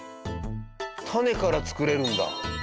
タネから作れるんだ。